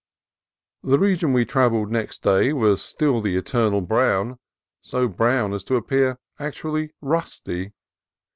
The region we travelled next day was still the eternal brown, so brown as to appear actually rusty.